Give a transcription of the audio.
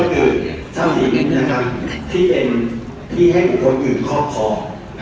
ที่ได้ให้ผู้คนอื่นคอบครอง